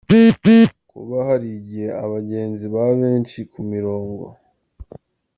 Kuba hari igihe abagenzi baba benshi ku mirongo, Dr.